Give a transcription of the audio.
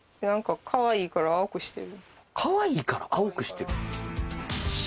「かわいいから青くしてる」？